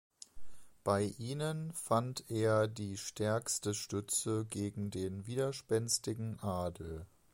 Bei ihnen fand er die stärkste Stütze gegen den widerspenstigen Adel.